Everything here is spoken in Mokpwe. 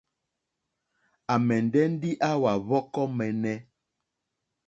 À mɛ̀ndɛ́ ndí áwà hwɔ́kɔ́ !mɛ́ɛ́nɛ́.